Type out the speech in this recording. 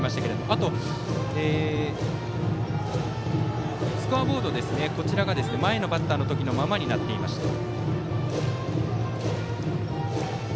あとスコアボードが前のバッターの時のままになっていました。